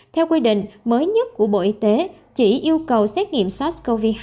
theo quy định mới nhất của bộ y tế chỉ yêu cầu xét nghiệm sars cov hai